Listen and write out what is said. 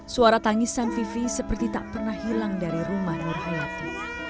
suara tangisan vivi seperti tak pernah hilang dari rumah nur hayati